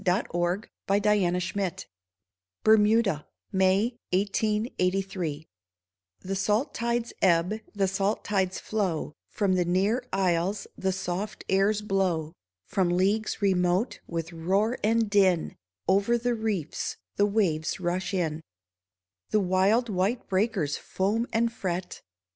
THE LADY OF THE PROW BERMUDA, MAY, 1 883 The salt tides ebb, the salt tides flow, From the near isles the soft airs blow ; From leagues remote, with roar and din, Over the reefs the waves rush in ; The wild white breakers foam and fret.